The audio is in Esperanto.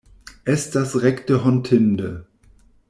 Estas rekte hontinde.